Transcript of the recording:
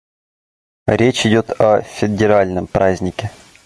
Речь идет о федеральном празднике.